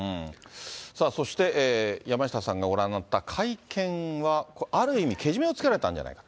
さあ、そして山下さんがご覧になった会見は、ある意味、けじめをつけられたんじゃないか。